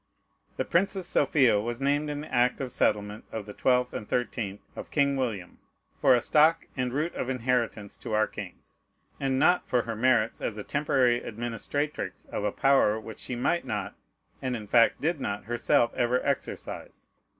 The Princess Sophia was named in the act of settlement of the 12th and 13th of King William, for a stock and root of inheritance to our kings, and not for her merits as a temporary administratrix of a power which she might not, and in fact did not, herself ever exercise.